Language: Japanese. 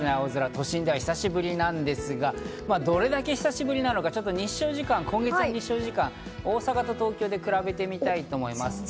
都心では久しぶりなんですが、どれだけ久しぶりなのか、今月の日照時間、大阪と東京で比べてみたいと思います。